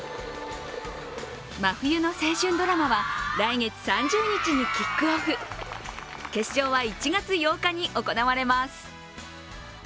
真冬の青春ドラマは来月３０日にキックオフ、決勝は１月８日に行われます。